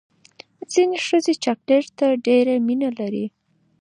ځینې ښځې چاکلیټ ته ډېره مینه لري.